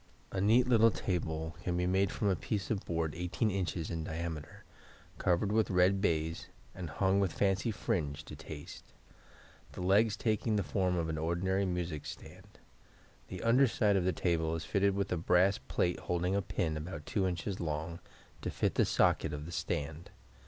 A neat little table can be made from a piece of board 18 in. in diameter, covered with red baize, and hung with fancy fringe to taste; the legs taking the form of an ordinary music stand. The under side of the table is fitted with a brass plate holding a pin, about 2 in. long, to fit the socket of the stand.